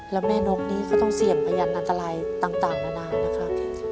แล้วแม่นกนี้ก็ต้องเสี่ยงพยานอันตรายต่างนานานะครับ